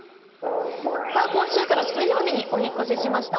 今週から水曜日にお引っ越ししました